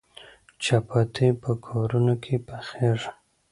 چپاتي په کورونو کې پخیږي.